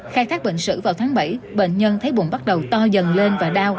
khai thác bệnh sử vào tháng bảy bệnh nhân thấy bụng bắt đầu to dần lên và đau